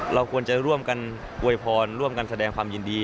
เราควรจะร่วมกันอวยพรร่วมกันแสดงความยินดี